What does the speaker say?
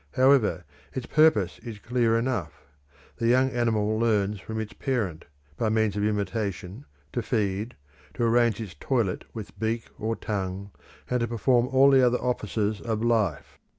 However, its purpose is clear enough; the young animal learns from its parent, by means of imitation, to feed, to arrange its toilet with beak or tongue, and to perform all the other offices of life.